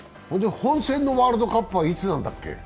本戦のワールドカップはいつなんだっけ？